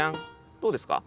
どうですか？